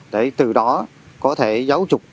để từ đó có thể giấu trục